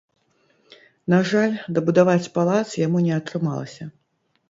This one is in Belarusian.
На жаль, дабудаваць палац яму не атрымалася.